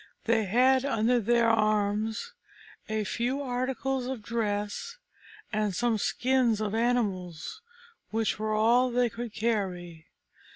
They had under their arms a few articles of dress and some skins of animals, which were all they could carry.